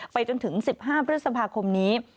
จนถึง๑๕พฤษภาคมนี้